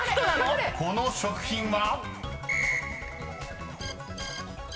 ［この食品は？］